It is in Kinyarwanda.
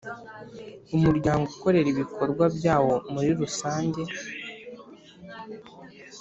Umuryango ukorera ibikorwa byawo muri rusage